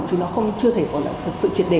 chứ nó chưa thể gọi là thật sự triệt đề được